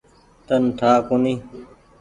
تن ٺآ ڪونيٚ ۔